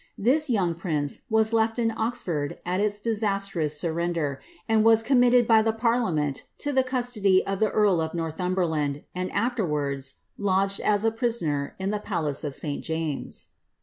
This young prince was left io Oxford at its disastrous surrender, and was committed by the parliament to the custody of tlie earl of Northumberland, and afterwards lodged u a prisoner in the palace of St. James.